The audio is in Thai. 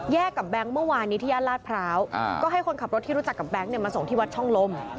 กับแบงค์เมื่อวานนี้ที่ย่านลาดพร้าวก็ให้คนขับรถที่รู้จักกับแก๊งมาส่งที่วัดช่องลม